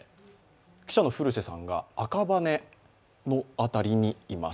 記者の古瀬さんが赤羽の辺りにいます。